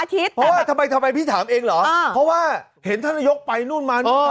เพราะว่าทำไมทำไมพี่ถามเองเหรอเพราะว่าเห็นท่านนายกไปนู่นมานู่น